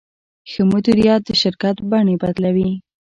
ښه مدیریت د شرکت بڼې بدلوي.